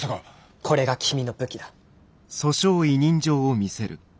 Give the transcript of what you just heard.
これが君の武器だ。